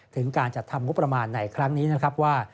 ถึงการจัดทำงบประมาณในครั้งนี้นะครับว่า